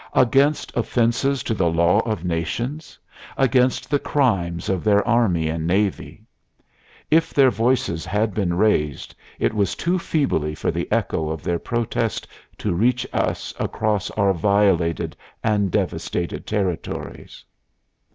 Against offenses to the law of nations? Against the crimes of their army and navy? If their voices had been raised it was too feebly for the echo of their protest to reach us across our violated and devastated territories...."